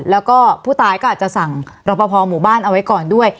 แล้วก็ผู้ตายก็อาจจะสั่งรอปภหมู่บ้านเอาไว้ก่อนด้วย